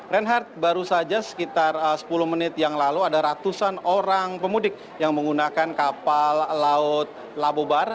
reinhardt baru saja sekitar sepuluh menit yang lalu ada ratusan orang pemudik yang menggunakan kapal laut labobar